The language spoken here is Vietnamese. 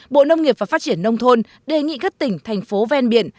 bộ nông nghiệp và phát triển nông thôn đề nghị các tỉnh thành phố ven biển